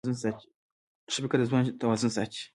ښه فکر د ژوند توازن ساتي.